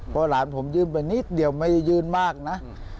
เพราะหลานผมยื่นไปนิดเดียวไม่ได้ยื่นมากนะ